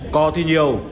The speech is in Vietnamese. cò thì nhiều